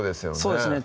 そうですね